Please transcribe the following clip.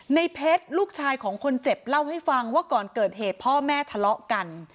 ในเพชรลูกชายของคนเจ็บเล่าให้ฟังว่าก่อนเกิดเหตุพ่อแม่ทะเลาะกัน